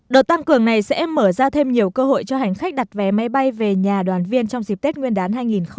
đột tăng cường này sẽ mở ra thêm nhiều cơ hội cho hành khách đặt vé máy bay về nhà đoàn viên trong dịp tết nguyên đán hai nghìn hai mươi